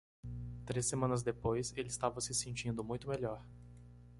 Três semanas depois,? ele estava se sentindo muito melhor.